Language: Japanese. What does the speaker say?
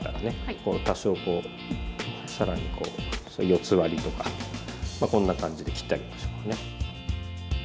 多少こうさらにこう四つ割りとかこんな感じで切ってあげましょうね。